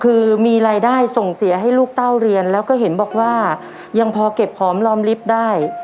คือมีรายได้ส่งเสียให้ลูกเต้าเรียนแล้วก็เห็นบอกว่ายังพอเก็บหอมรอมลิฟต์ได้